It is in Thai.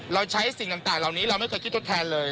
เราใช้สิ่งต่างเหล่านี้เราไม่เคยคิดทดแทนเลย